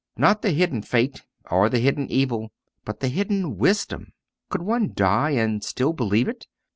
Not the hidden fate, or the hidden evil, but the hidden wisdom. Could one die and still believe it?